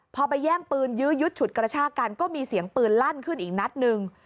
พอไปแย่งปืนยื้อยุดฉุดกระชากันก็มีเสียงปืนลั่นขึ้นอีกนัดหนึ่ง